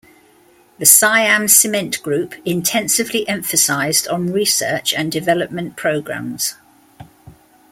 The Siam Cement Group intensively emphasized on research and development programs.